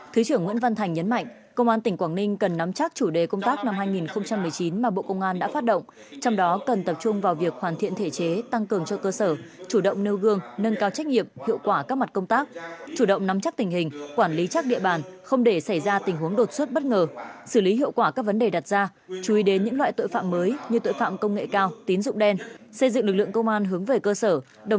thứ trưởng nguyễn văn thành nhấn mạnh công an tỉnh quảng ninh cần nắm chắc chủ đề công tác năm hai nghìn một mươi chín mà bộ công an đã phát động trong đó cần tập trung vào việc hoàn thiện thể chế tăng cường cho cơ sở chủ động nêu gương nâng cao trách nhiệm hiệu quả các mặt công tác chủ động nắm chắc tình hình quản lý chắc địa bàn không để xảy ra tình huống đột xuất bất ngờ xử lý hiệu quả các vấn đề đặt ra chú ý đến những loại tội phạm mới như tội phạm công nghệ cao tín dụng đen xây dựng lực lượng công an hướng về cơ sở